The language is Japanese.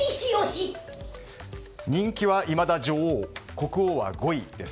人気はいまだ女王国王は５位です。